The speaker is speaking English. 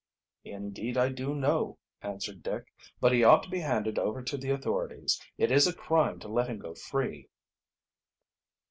"Indeed I do know," answered Dick. "But he ought to be handed over to the authorities. It is a crime to let him go free."